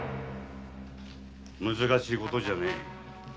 むずかしいことじゃねえ。